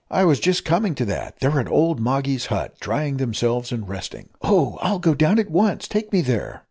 "I was just coming to that they're at old Moggy's hut, drying themselves and resting." "Oh! I'll go down at once. Take me there."